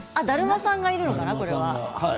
だるまさんが、いるのかな？